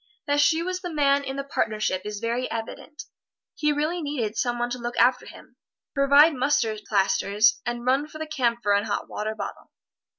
That she was the man in the partnership is very evident. He really needed some one to look after him, provide mustard plasters and run for the camphor and hot water bottle.